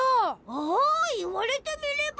あ言われてみれば。